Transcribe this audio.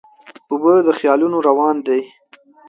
اوبه د خیالونو روان دي.